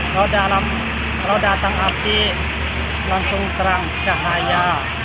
kalau datang api langsung terang cahaya